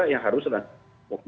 yang harus kita lakukan